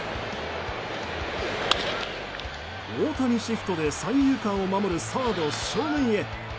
大谷シフトで三遊間を守るサード正面へ。